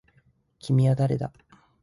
君は誰だ